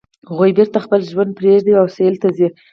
هغوی بیرته خپل ژوند پریږدي او سویل ته ځي